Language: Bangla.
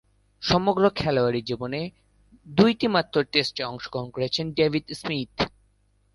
সমগ্র খেলোয়াড়ী জীবনে দুইটিমাত্র টেস্টে অংশগ্রহণ করেছেন ডেভিড স্মিথ।